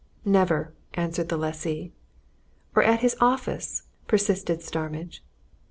"Never!" answered the lessee. "Or at his office?" persisted Starmidge.